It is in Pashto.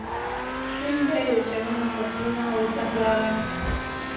شین دی د چمن او فصلونو او زهرا رنګ